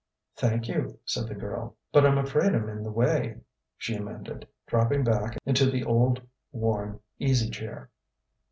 "Thank you," said the girl. "But I'm afraid I'm in the way," she amended, dropping back into the old, worn, easy chair.